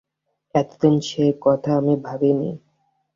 এতদিন সে কথা আমি ভাবি নি।